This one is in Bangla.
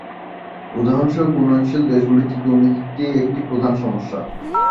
উদাহরণস্বরূপ উন্নয়নশীল দেশগুলিতে দুর্নীতি একটি প্রধান সমস্যা।